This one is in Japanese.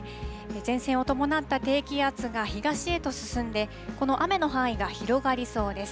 前線を伴った低気圧が東へと進んで、この雨の範囲が広がりそうです。